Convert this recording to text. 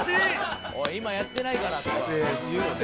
「“おい今やってないから”とか言うよね」